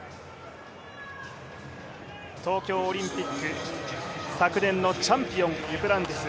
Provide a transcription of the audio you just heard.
東京オリンピック、昨年のチャンピオン、デュプランティス。